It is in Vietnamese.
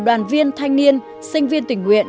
đoàn viên thanh niên sinh viên tình nguyện